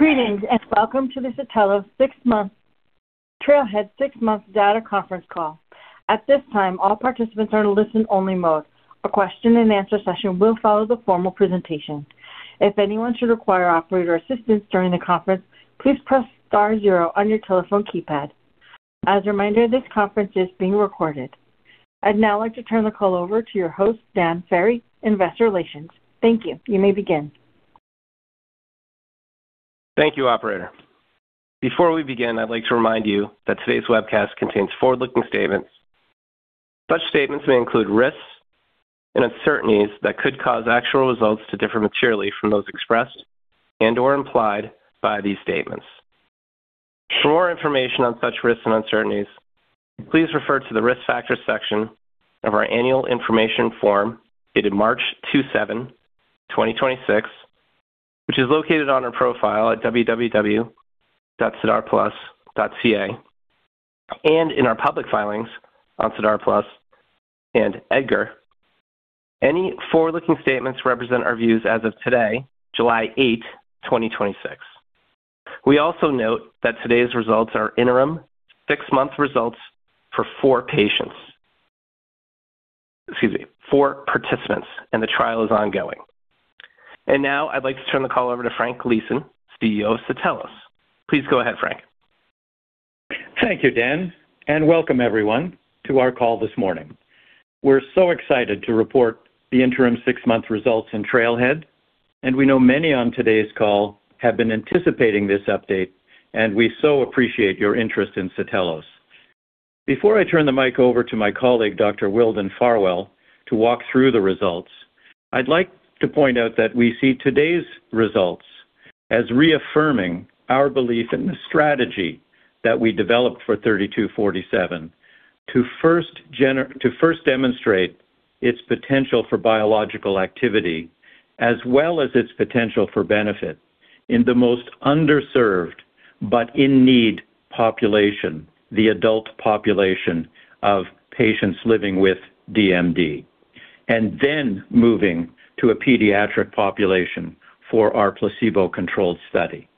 Greetings and welcome to the Satellos Six-Month TRAILHEAD six-month data conference call. At this time, all participants are in listen only mode. A question-and-answer session will follow the formal presentation. If anyone should require operator assistance during the conference, please press star zero on your telephone keypad. As a reminder, this conference is being recorded. I'd now like to turn the call over to your host, Dan Ferry, investor relations. Thank you. You may begin. Thank you, operator. Before we begin, I'd like to remind you that today's webcast contains forward-looking statements. Such statements may include risks and uncertainties that could cause actual results to differ materially from those expressed and/or implied by these statements. For more information on such risks and uncertainties, please refer to the risk factors section of our annual information form dated March 27, 2026, which is located on our profile at www.sedarplus.ca and in our public filings on SEDAR+ and EDGAR. Any forward-looking statements represent our views as of today, July 8, 2026. We also note that today's results are interim six-month results for four patients, excuse me, four participants and the trial is ongoing. Now I'd like to turn the call over to Frank Gleeson, CEO of Satellos. Please go ahead, Frank. Thank you, Dan. Welcome everyone to our call this morning. We're so excited to report the interim six-month results in TRAILHEAD. We know many on today's call have been anticipating this update. We so appreciate your interest in Satellos. Before I turn the mic over to my colleague, Dr. Wildon Farwell, to walk through the results, I'd like to point out that we see today's results as reaffirming our belief in the strategy that we developed for SAT-3247 to first demonstrate its potential for biological activity as well as its potential for benefit in the most underserved but in-need population, the adult population of patients living with DMD, then moving to a pediatric population for our placebo-controlled study.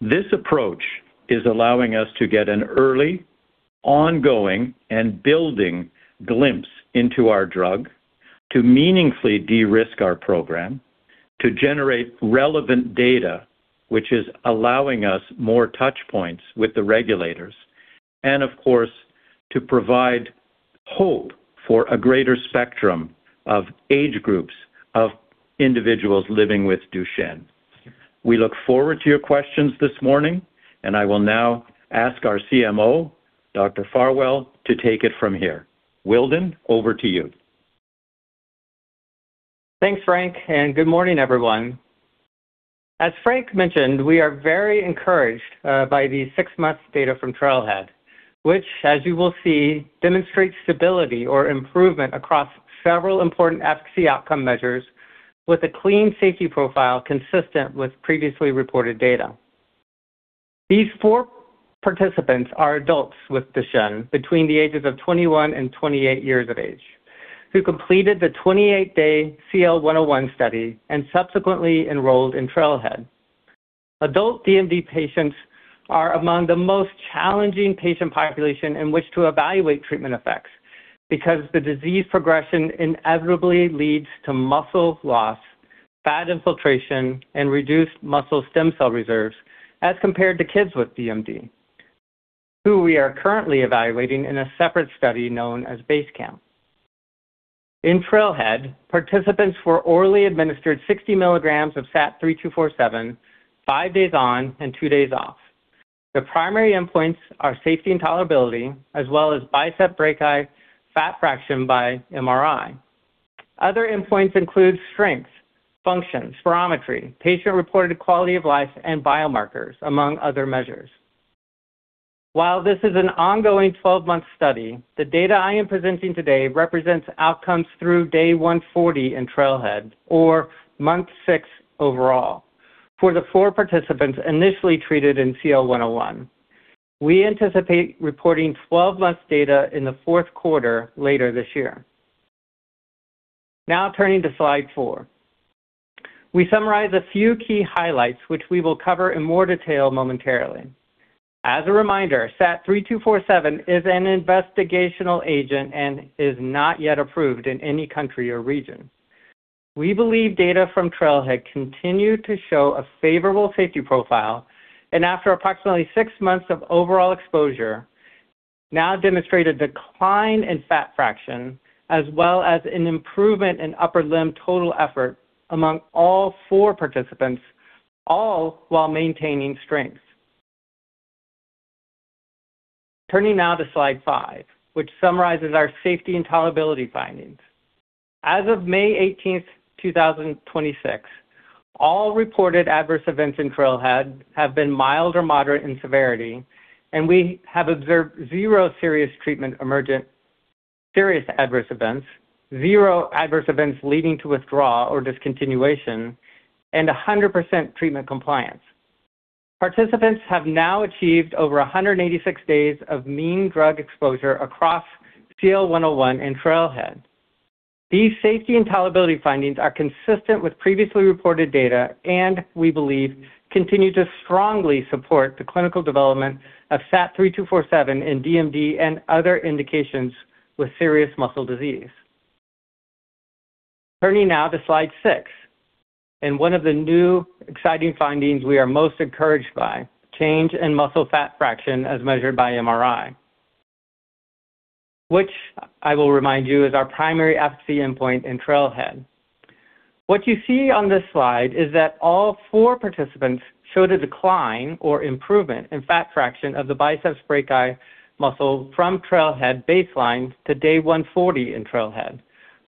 This approach is allowing us to get an early, ongoing, building glimpse into our drug to meaningfully de-risk our program, to generate relevant data, which is allowing us more touch points with the regulators, of course, to provide hope for a greater spectrum of age groups of individuals living with Duchenne. We look forward to your questions this morning. I will now ask our CMO, Dr. Farwell, to take it from here. Wildon, over to you. Thanks, Frank, good morning, everyone. As Frank mentioned, we are very encouraged by the six-months data from TRAILHEAD, which, as you will see, demonstrates stability or improvement across several important efficacy outcome measures with a clean safety profile consistent with previously reported data. These four participants are adults with Duchenne between the ages of 21 and 28 years of age, who completed the 28-day CL-101 study and subsequently enrolled in TRAILHEAD. Adult DMD patients are among the most challenging patient population in which to evaluate treatment effects because the disease progression inevitably leads to muscle loss, fat infiltration, and reduced muscle satellite cell reserves as compared to kids with DMD, who we are currently evaluating in a separate study known as BASECAMP. In TRAILHEAD, participants were orally administered 60 mg of SAT-3247 five days on and two days off. The primary endpoints are safety and tolerability, as well as biceps brachii fat fraction by MRI. Other endpoints include strength, function, spirometry, patient-reported quality of life, and biomarkers, among other measures. While this is an ongoing 12-month study, the data I am presenting today represents outcomes through day 140 in TRAILHEAD, or month six overall, for the four participants initially treated in CL-101. We anticipate reporting 12 months data in the fourth quarter later this year. Turning to slide four. We summarize a few key highlights, which we will cover in more detail momentarily. As a reminder, SAT-3247 is an investigational agent and is not yet approved in any country or region. We believe data from TRAILHEAD continue to show a favorable safety profile, and after approximately six-months of overall exposure, demonstrate a decline in fat fraction as well as an improvement in upper limb total effort among all four participants, all while maintaining strength. Turning to slide five, which summarizes our safety and tolerability findings. As of May 18th, 2026, all reported adverse events in TRAILHEAD have been mild or moderate in severity, and we have observed zero serious adverse events, zero adverse events leading to withdrawal or discontinuation, and 100% treatment compliance. Participants have achieved over 186 days of mean drug exposure across CL-101 in TRAILHEAD. These safety and tolerability findings are consistent with previously reported data, and we believe continue to strongly support the clinical development of SAT-3247 in DMD and other indications with serious muscle disease. Turning to slide six, one of the new exciting findings we are most encouraged by, change in muscle fat fraction as measured by MRI, which I will remind you is our primary efficacy endpoint in TRAILHEAD. What you see on this slide is that all four participants show a decline or improvement in fat fraction of the biceps brachii muscle from TRAILHEAD baseline to day 140 in TRAILHEAD,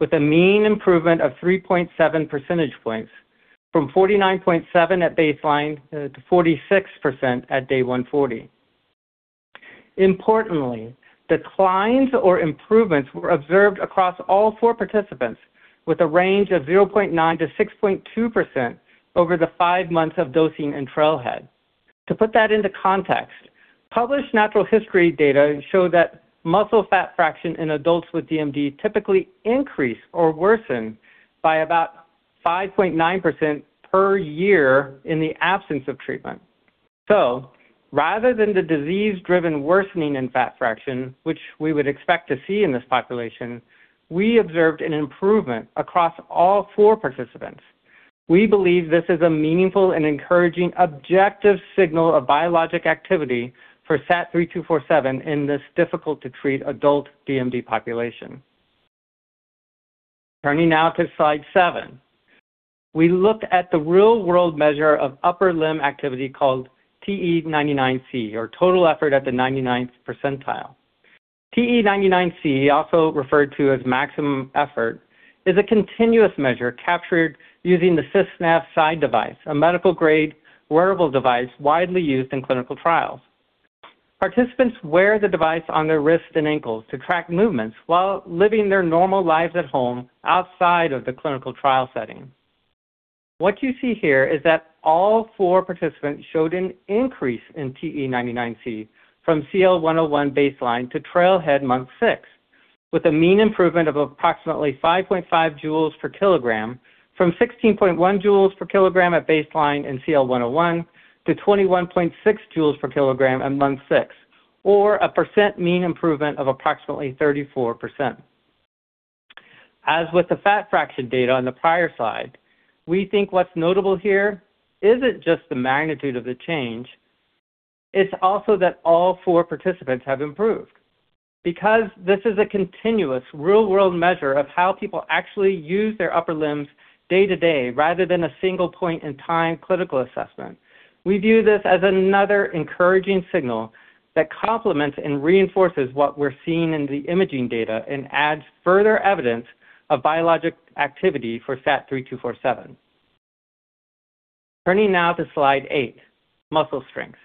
with a mean improvement of 3.7 percentage points, from 49.7% at baseline to 46% at day 140. Importantly, declines or improvements were observed across all four participants with a range of 0.9%-6.2% over the five months of dosing in TRAILHEAD. To put that into context, published natural history data show that muscle fat fraction in adults with DMD typically increase or worsen by about 5.9% per year in the absence of treatment. Rather than the disease-driven worsening in fat fraction, which we would expect to see in this population, we observed an improvement across all four participants. We believe this is a meaningful and encouraging objective signal of biologic activity for SAT-3247 in this difficult-to-treat adult DMD population. Turning now to slide seven. We looked at the real-world measure of upper limb activity called TE99C, or total effort at the 99th percentile. TE99C, also referred to as maximum effort, is a continuous measure captured using the SYSNAV Syde device, a medical-grade wearable device widely used in clinical trials. Participants wear the device on their wrists and ankles to track movements while living their normal lives at home outside of the clinical trial setting. What you see here is that all four participants showed an increase in TE99C from CL-101 baseline to TRAILHEAD month six, with a mean improvement of approximately 5.5 J/kg from 16.1 J/kg at baseline in CL-101 to 21.6 J/kg at month six, or a percent mean improvement of approximately 34%. As with the fat fraction data on the prior slide, we think what's notable here isn't just the magnitude of the change, it's also that all four participants have improved. Because this is a continuous real-world measure of how people actually use their upper limbs day to day rather than a single point in time clinical assessment, we view this as another encouraging signal that complements and reinforces what we're seeing in the imaging data and adds further evidence of biologic activity for SAT-3247. Turning now to slide eight, muscle strength.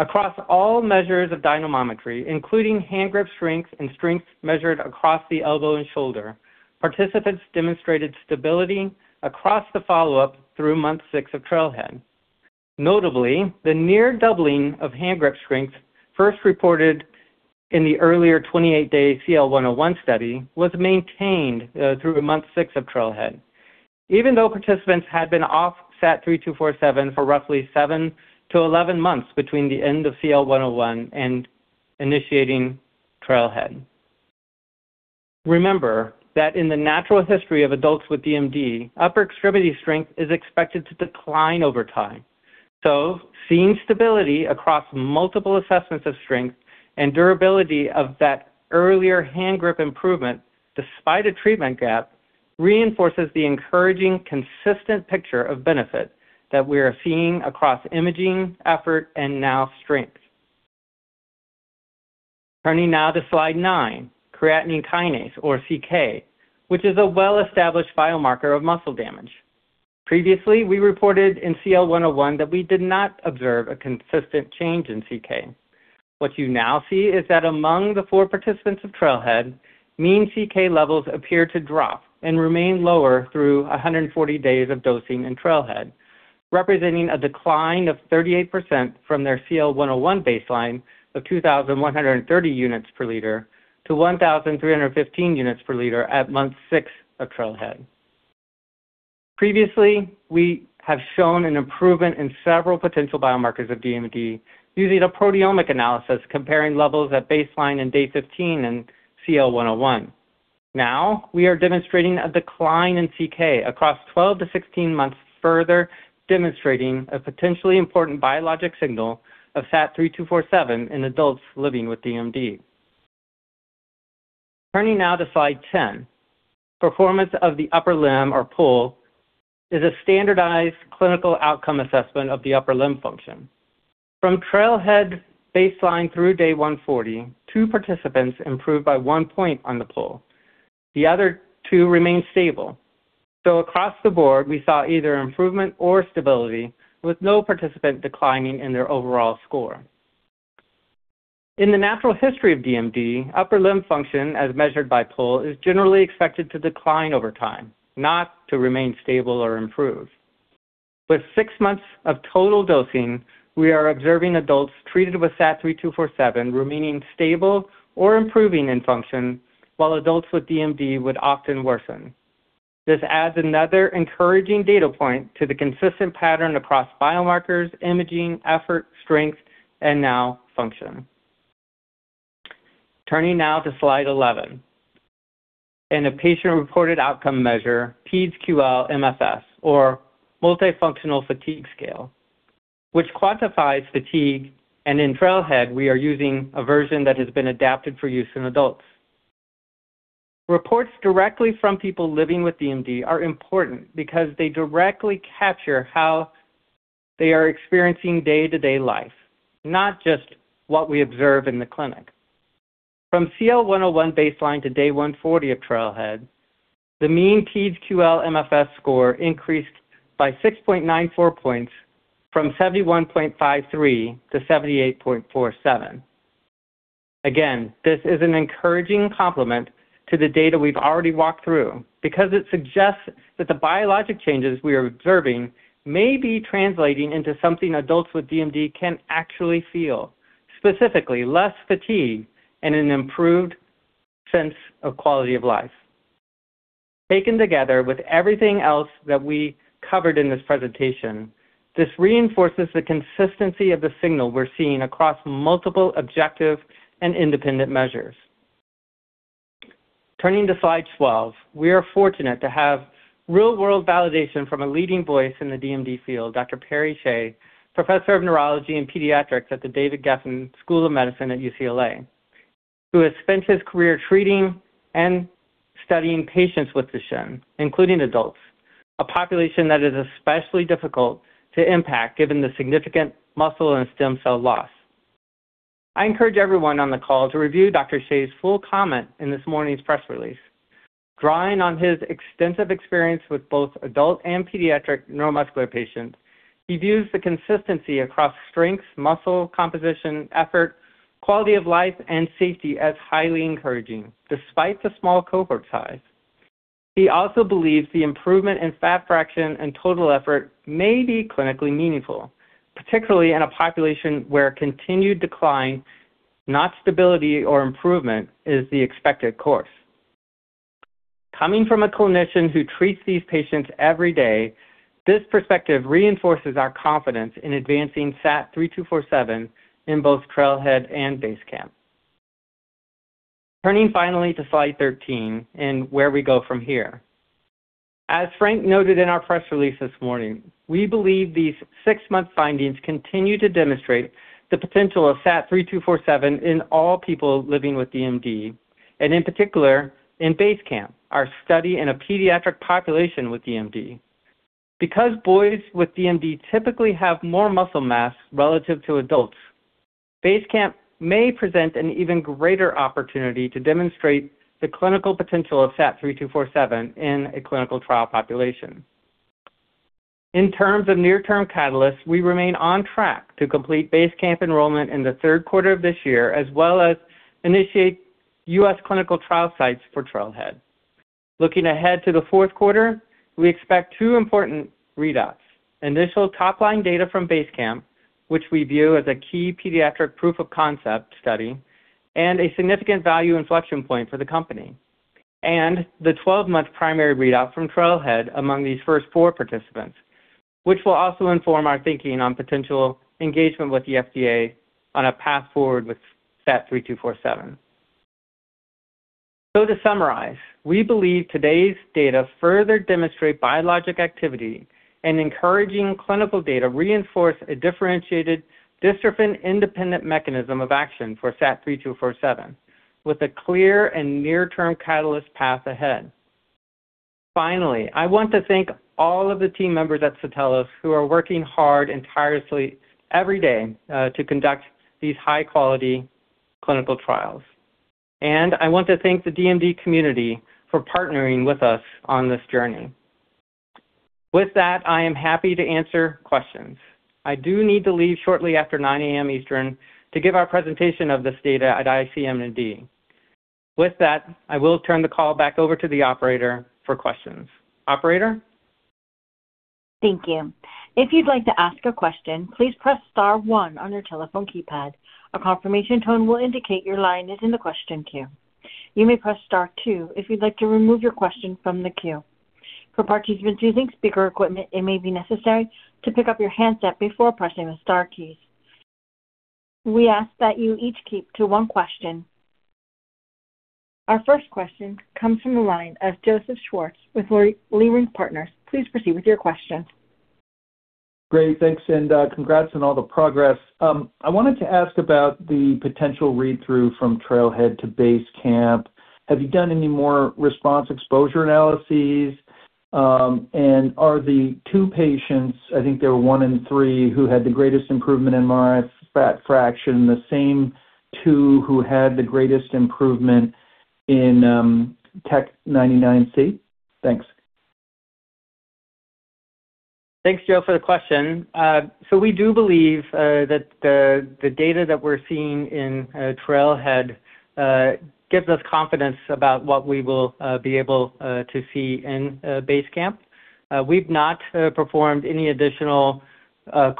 Across all measures of dynamometry, including handgrip strength and strength measured across the elbow and shoulder, participants demonstrated stability across the follow-up through month six of TRAILHEAD. Notably, the near doubling of handgrip strength first reported in the earlier 28-day CL-101 study was maintained through month six of TRAILHEAD, even though participants had been off SAT-3247 for roughly 7 months to 11 months between the end of CL-101 and initiating TRAILHEAD. Remember that in the natural history of adults with DMD, upper extremity strength is expected to decline over time. Seeing stability across multiple assessments of strength and durability of that earlier handgrip improvement despite a treatment gap reinforces the encouraging, consistent picture of benefit that we are seeing across imaging, effort, and now strength. Turning now to slide nine, creatine kinase or CK, which is a well-established biomarker of muscle damage. Previously, we reported in CL-101 that we did not observe a consistent change in CK. What you now see is that among the four participants of TRAILHEAD, mean CK levels appear to drop and remain lower through 140 days of dosing in TRAILHEAD, representing a decline of 38% from their CL-101 baseline of 2,130 units per liter to 1,315 units per liter at month six of TRAILHEAD. Previously, we have shown an improvement in several potential biomarkers of DMD using a proteomic analysis comparing levels at baseline and day 15 in CL-101. We are demonstrating a decline in CK across 12-16 months, further demonstrating a potentially important biologic signal of SAT-3247 in adults living with DMD. Turning now to slide 10. Performance of the upper limb or PUL is a standardized clinical outcome assessment of the upper limb function. From TRAILHEAD baseline through day 140, two participants improved by one point on the PUL. The other two remained stable. Across the board, we saw either improvement or stability with no participant declining in their overall score. In the natural history of DMD, upper limb function as measured by PUL is generally expected to decline over time, not to remain stable or improve. With six months of total dosing, we are observing adults treated with SAT-3247 remaining stable or improving in function, while adults with DMD would often worsen. This adds another encouraging data point to the consistent pattern across biomarkers, imaging, effort, strength, and now function. Turning now to slide 11, and a patient-reported outcome measure, PedsQL-MFS, or Multidimensional Fatigue Scale, which quantifies fatigue, and in TRAILHEAD, we are using a version that has been adapted for use in adults. Reports directly from people living with DMD are important because they directly capture how they are experiencing day-to-day life, not just what we observe in the clinic. From CL-101 baseline to day 140 of TRAILHEAD, the mean PedsQL-MFS score increased by 6.94 points from 71.53-78.47. Again, this is an encouraging complement to the data we've already walked through because it suggests that the biologic changes we are observing may be translating into something adults with DMD can actually feel, specifically less fatigue and an improved sense of quality of life. Taken together with everything else that we covered in this presentation, this reinforces the consistency of the signal we're seeing across multiple objective and independent measures. Turning to slide 12. We are fortunate to have real-world validation from a leading voice in the DMD field, Dr. Perry Shieh, professor of neurology and pediatrics at the David Geffen School of Medicine at UCLA, who has spent his career treating and studying patients with Duchenne, including adults, a population that is especially difficult to impact given the significant muscle and stem cell loss. I encourage everyone on the call to review Dr. Shieh's full comment in this morning's press release. Drawing on his extensive experience with both adult and pediatric neuromuscular patients, he views the consistency across strength, muscle composition, effort, quality of life, and safety as highly encouraging despite the small cohort size. He also believes the improvement in fat fraction and total effort may be clinically meaningful, particularly in a population where continued decline, not stability or improvement, is the expected course. Coming from a clinician who treats these patients every day, this perspective reinforces our confidence in advancing SAT-3247 in both TRAILHEAD and BASECAMP. Turning finally to slide 13 and where we go from here. As Frank noted in our press release this morning, we believe these six-month findings continue to demonstrate the potential of SAT-3247 in all people living with DMD, and in particular in BASECAMP, our study in a pediatric population with DMD. Because boys with DMD typically have more muscle mass relative to adults, BASECAMP may present an even greater opportunity to demonstrate the clinical potential of SAT-3247 in a clinical trial population. In terms of near-term catalysts, we remain on track to complete BASECAMP enrollment in the third quarter of this year, as well as initiate U.S. clinical trial sites for TRAILHEAD. Looking ahead to the fourth quarter, we expect two important readouts, initial top-line data from BASECAMP, which we view as a key pediatric proof of concept study and a significant value inflection point for the company, and the 12-month primary readout from TRAILHEAD among these first four participants, which will also inform our thinking on potential engagement with the FDA on a path forward with SAT-3247. To summarize, we believe today's data further demonstrate biologic activity and encouraging clinical data reinforce a differentiated dystrophin-independent mechanism of action for SAT-3247 with a clear and near-term catalyst path ahead. Finally, I want to thank all of the team members at Satellos who are working hard and tirelessly every day to conduct these high-quality clinical trials. I want to thank the DMD community for partnering with us on this journey. With that, I am happy to answer questions. I do need to leave shortly after 9:00 A.M. Eastern to give our presentation of this data at ICNMD. With that, I will turn the call back over to the operator for questions. Operator? Thank you. If you'd like to ask a question, please press star one on your telephone keypad. A confirmation tone will indicate your line is in the question queue. You may press star two if you'd like to remove your question from the queue. For participants using speaker equipment, it may be necessary to pick up your handset before pressing the star keys. We ask that you each keep to one question. Our first question comes from the line of Joseph Schwartz with Leerink Partners. Please proceed with your question. Great. Thanks, and congrats on all the progress. I wanted to ask about the potential read-through from TRAILHEAD to BASECAMP. Have you done any more response exposure analyses? Are the two patients, I think they were one and three, who had the greatest improvement in MRI fat fraction the same two who had the greatest improvement in TE99C? Thanks. Thanks, Joe, for the question. We do believe that the data that we're seeing in TRAILHEAD gives us confidence about what we will be able to see in BASECAMP. We've not performed any additional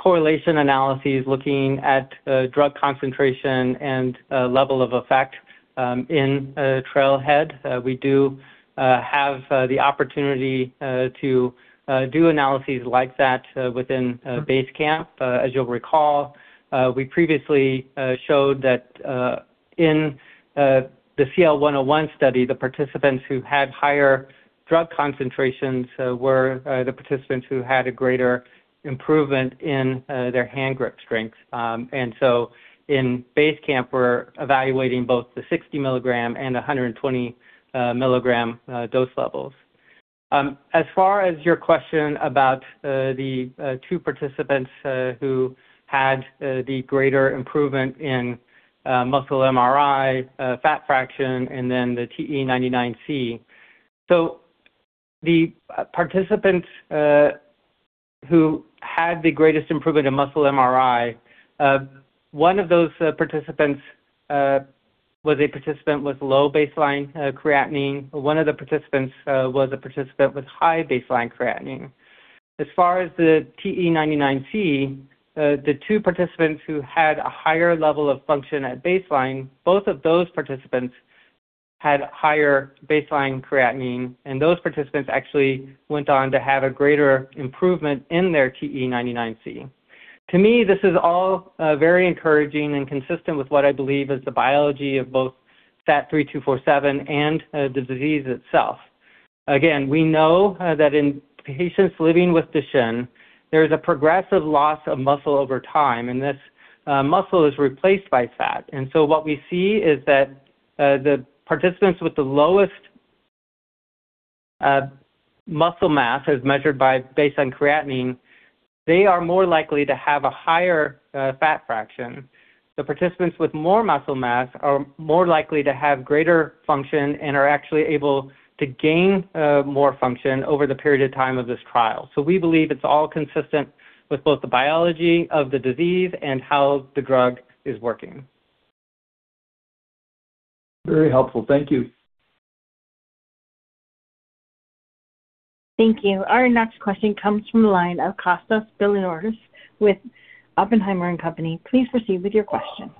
correlation analyses looking at drug concentration and level of effect in TRAILHEAD. We do have the opportunity to do analyses like that within BASECAMP. As you'll recall, we previously showed that in the CL-101 study, the participants who had higher drug concentrations were the participants who had a greater improvement in their hand grip strength. In BASECAMP, we're evaluating both the 60 mg and 120 mg dose levels. As far as your question about the two participants who had the greater improvement in muscle MRI, fat fraction, and then the TE99C. The participants who had the greatest improvement in muscle MRI, one of those participants was a participant with low baseline creatinine. One of the participants was a participant with high baseline creatinine. As far as the TE99C, the two participants who had a higher level of function at baseline, both of those participants had higher baseline creatinine, and those participants actually went on to have a greater improvement in their TE99C. To me, this is all very encouraging and consistent with what I believe is the biology of both SAT-3247 and the disease itself. Again, we know that in patients living with Duchenne, there is a progressive loss of muscle over time, and this muscle is replaced by fat. What we see is that the participants with the lowest muscle mass, as measured by baseline creatinine, they are more likely to have a higher fat fraction. The participants with more muscle mass are more likely to have greater function and are actually able to gain more function over the period of time of this trial. We believe it's all consistent with both the biology of the disease and how the drug is working. Very helpful. Thank you. Thank you. Our next question comes from the line of Kostas Biliouris with Oppenheimer & Company. Please proceed with your question.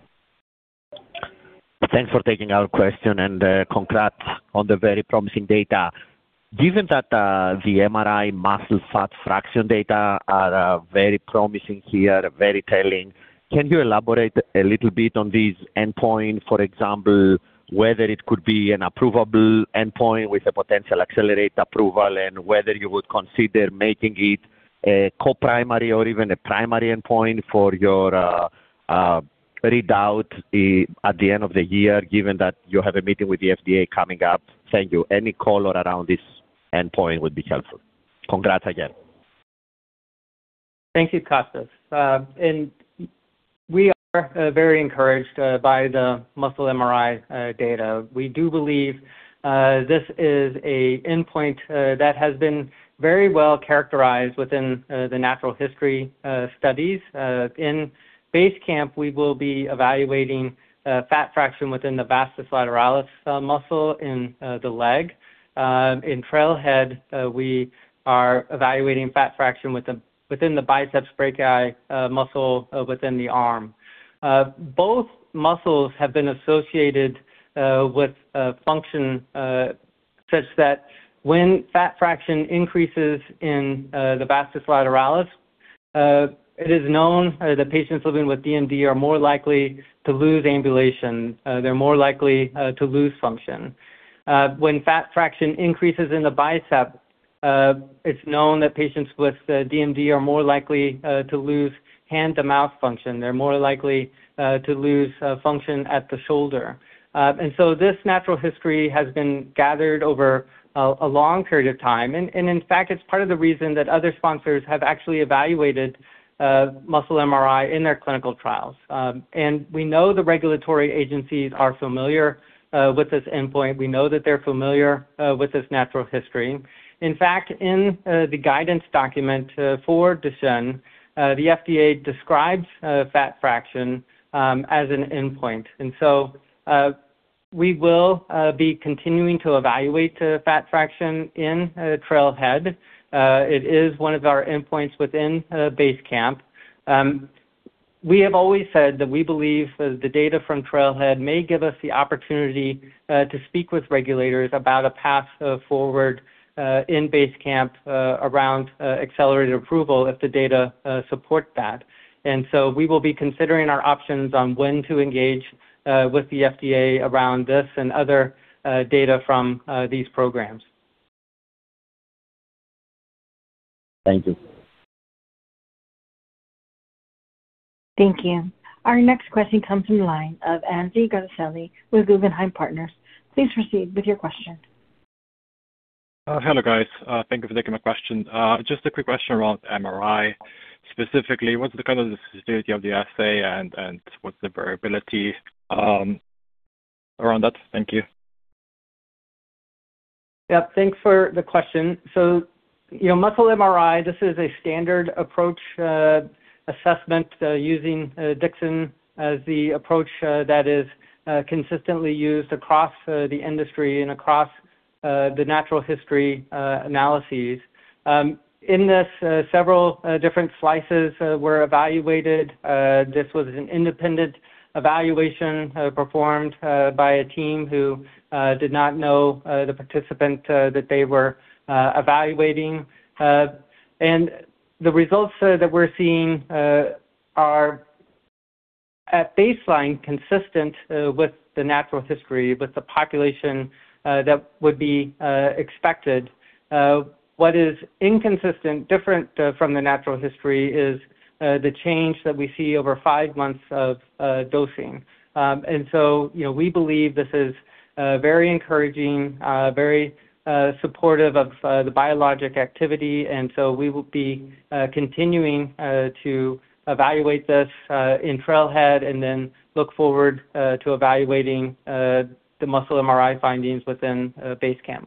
Thanks for taking our question and congrats on the very promising data. Given that the MRI muscle fat fraction data are very promising here, very telling, can you elaborate a little bit on this endpoint, for example, whether it could be an approvable endpoint with a potential accelerated approval, and whether you would consider making it a co-primary or even a primary endpoint for your readout at the end of the year, given that you have a meeting with the FDA coming up? Thank you. Any color around this endpoint would be helpful. Congrats again. Thank you, Kostas. We are very encouraged by the muscle MRI data. We do believe this is an endpoint that has been very well characterized within the natural history studies. In BASECAMP, we will be evaluating fat fraction within the vastus lateralis muscle in the leg. In TRAILHEAD, we are evaluating fat fraction within the biceps brachii muscle within the arm. Both muscles have been associated with function such that when fat fraction increases in the vastus lateralis, it is known that patients living with DMD are more likely to lose ambulation. They're more likely to lose function. When fat fraction increases in the biceps, it's known that patients with DMD are more likely to lose hand-to-mouth function. They're more likely to lose function at the shoulder. This natural history has been gathered over a long period of time. In fact, it's part of the reason that other sponsors have actually evaluated muscle MRI in their clinical trials. We know the regulatory agencies are familiar with this endpoint. We know that they're familiar with this natural history. In fact, in the guidance document for Duchenne, the FDA describes fat fraction as an endpoint. So we will be continuing to evaluate fat fraction in TRAILHEAD. It is one of our endpoints within BASECAMP. We have always said that we believe the data from TRAILHEAD may give us the opportunity to speak with regulators about a path forward in BASECAMP around accelerated approval if the data support that. So we will be considering our options on when to engage with the FDA around this and other data from these programs. Thank you. Thank you. Our next question comes from the line of Andy Grasselli with Guggenheim Partners. Please proceed with your question. Hello, guys. Thank you for taking my question. Just a quick question around MRI. Specifically, what's the kind of the sensitivity of the assay, and what's the variability around that? Thank you. Thanks for the question. Muscle MRI, this is a standard approach assessment using Dixon as the approach that is consistently used across the industry and across the natural history analyses. In this, several different slices were evaluated. This was an independent evaluation performed by a team who did not know the participant that they were evaluating. The results that we're seeing are at baseline consistent with the natural history with the population that would be expected. What is inconsistent, different from the natural history is the change that we see over five months of dosing. We believe this is very encouraging, very supportive of the biologic activity. We will be continuing to evaluate this in TRAILHEAD and then look forward to evaluating the muscle MRI findings within BASECAMP.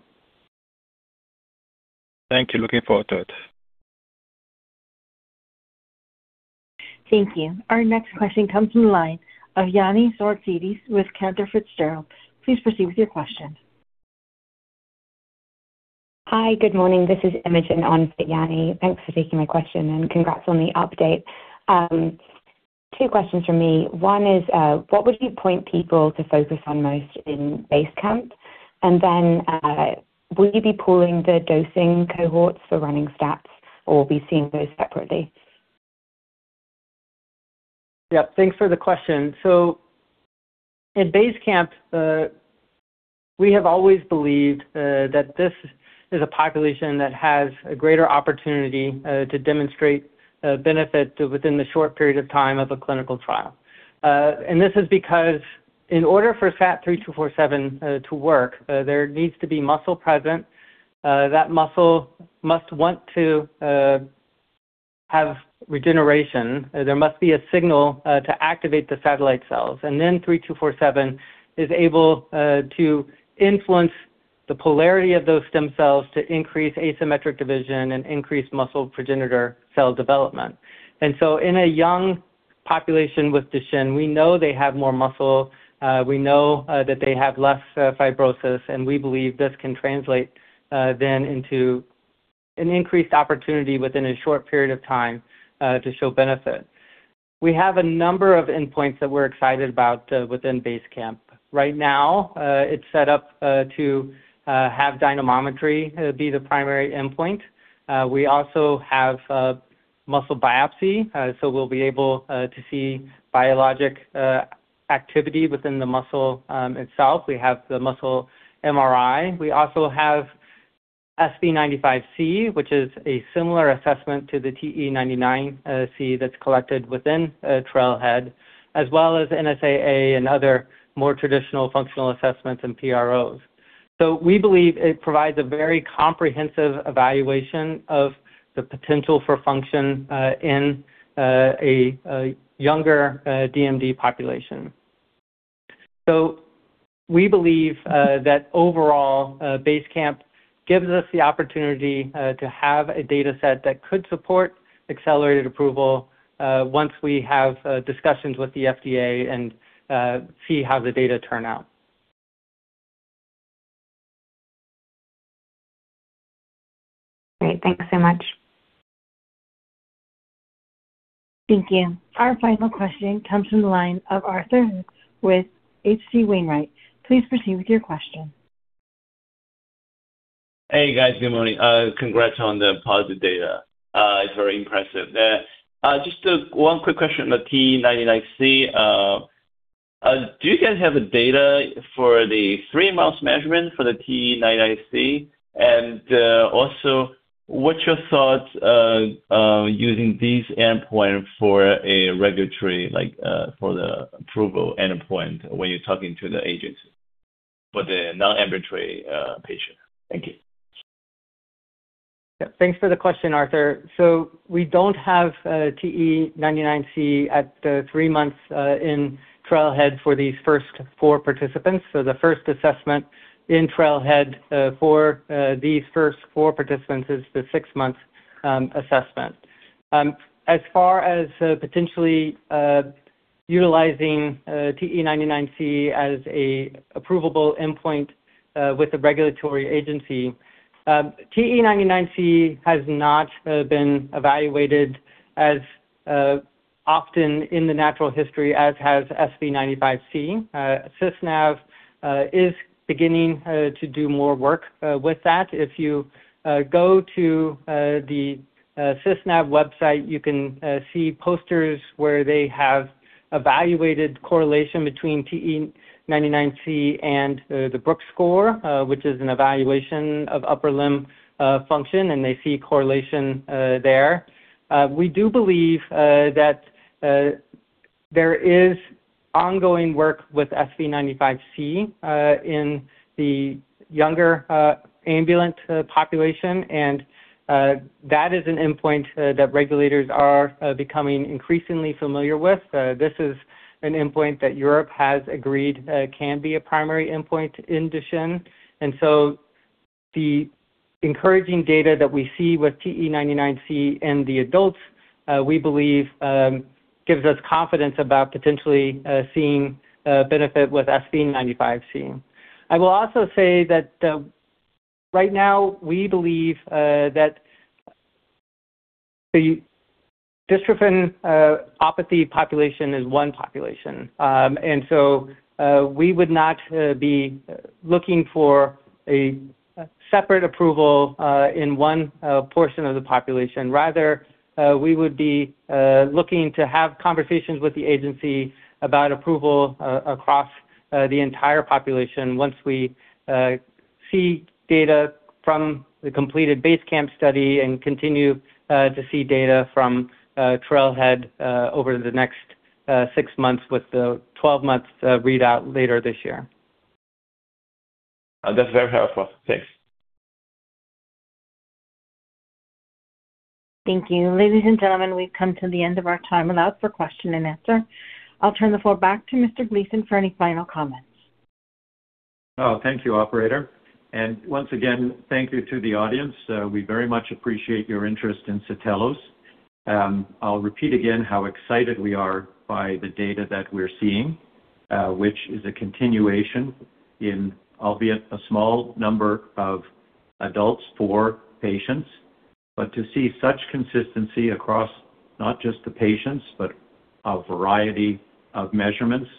Thank you. Looking forward to it. Thank you. Our next question comes from the line of Yanni Souroutzidis with Cantor Fitzgerald. Please proceed with your question. Hi. Good morning. This is [inaudible] on for Yanni. Thanks for taking my question, congrats on the update. Two questions from me. One is, what would you point people to focus on most in BASECAMP? Will you be pooling the dosing cohorts for running stats or be seeing those separately? Thanks for the question. In BASECAMP, we have always believed that this is a population that has a greater opportunity to demonstrate benefit within the short period of time of a clinical trial. This is because in order for SAT-3247 to work, there needs to be muscle present. That muscle must want to have regeneration. There must be a signal to activate the satellite cells. Then SAT-3247 is able to influence the polarity of those stem cells to increase asymmetric division and increase muscle progenitor cell development. In a young population with Duchenne, we know they have more muscle, we know that they have less fibrosis, and we believe this can translate then into an increased opportunity within a short period of time to show benefit. We have a number of endpoints that we're excited about within BASECAMP. Right now, it's set up to have dynamometry be the primary endpoint. We also have muscle biopsy, so we'll be able to see biologic activity within the muscle itself. We have the muscle MRI. We also have SB95C, which is a similar assessment to the TE99C that's collected within TRAILHEAD, as well as [NSAA] and other more traditional functional assessments and PROs. We believe it provides a very comprehensive evaluation of the potential for function in a younger DMD population. We believe that overall, BASECAMP gives us the opportunity to have a data set that could support accelerated approval once we have discussions with the FDA and see how the data turn out. Great. Thanks so much. Thank you. Our final question comes from the line of Arthur with H.C. Wainwright. Please proceed with your question. Hey, guys. Good morning. Congrats on the positive data. It's very impressive. Just one quick question on the TE99C. Do you guys have data for the three-month measurement for the TE99C? What's your thoughts on using this endpoint for a regulatory, like for the approval endpoint when you're talking to the agents for the non-ambulatory patient? Thank you. Thanks for the question, Arthur. We don't have TE99C at the three months in TRAILHEAD for these first four participants. The first assessment in TRAILHEAD for these first four participants is the six-month assessment. As far as potentially utilizing TE99C as an approvable endpoint with the regulatory agency, TE99C has not been evaluated as often in the natural history as has SB95C. Sysnav is beginning to do more work with that. If you go to the Sysnav website, you can see posters where they have evaluated correlation between TE99C and the Brooke score, which is an evaluation of upper limb function, and they see correlation there. We do believe that there is ongoing work with SB95C in the younger ambulant population, and that is an endpoint that regulators are becoming increasingly familiar with. This is an endpoint that Europe has agreed can be a primary endpoint in Duchenne. The encouraging data that we see with TE99C in the adults, we believe gives us confidence about potentially seeing a benefit with SB95C. I will also say that right now we believe that the [inaudible] population is one population. We would not be looking for a separate approval in one portion of the population. Rather, we would be looking to have conversations with the agency about approval across the entire population once we see data from the completed BASECAMP study and continue to see data from TRAILHEAD over the next six months with the 12 months readout later this year. That's very helpful. Thanks. Thank you. Ladies and gentlemen, we've come to the end of our time allowed for question and answer. I'll turn the floor back to Mr. Gleeson for any final comments. Oh, thank you, operator. Once again, thank you to the audience. We very much appreciate your interest in Satellos. I'll repeat again how excited we are by the data that we're seeing, which is a continuation in, albeit a small number of adults for patients. To see such consistency across not just the patients, but a variety of measurements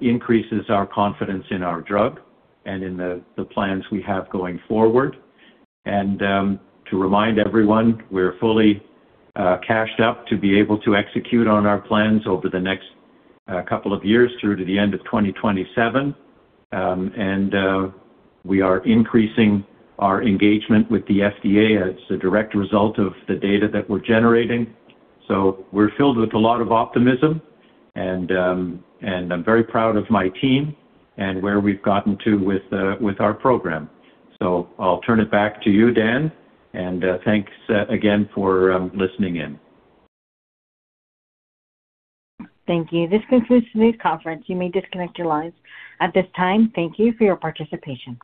increases our confidence in our drug and in the plans we have going forward. To remind everyone, we're fully cashed up to be able to execute on our plans over the next couple of years through to the end of 2027. We are increasing our engagement with the FDA as a direct result of the data that we're generating. We're filled with a lot of optimism and I'm very proud of my team and where we've gotten to with our program. I'll turn it back to you, Dan, and thanks again for listening in. Thank you. This concludes the news conference. You may disconnect your lines at this time. Thank you for your participation.